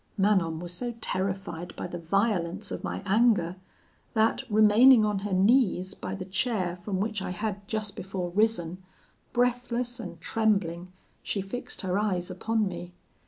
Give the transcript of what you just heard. "Manon was so terrified by the violence of my anger, that, remaining on her knees by the chair from which I had just before risen, breathless and trembling, she fixed her eyes upon me.